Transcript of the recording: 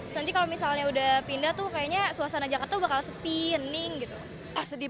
nanti kalau misalnya udah pindah tuh kayaknya suasana jakarta bakal sepi nining gitu